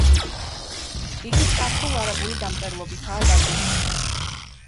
იგი სპარსულ-არაბული დამწერლობითაა დაწერილი.